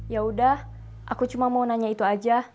yaudah aku cuma mau nanya itu aja